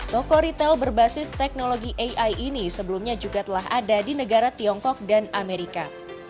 toko retail berbasis teknologi ai ini sebelumnya juga telah ada di negara tiongkok dan amerika